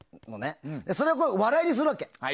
それを笑いにするわけ。